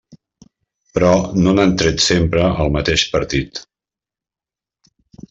Però no n'han tret sempre el mateix partit.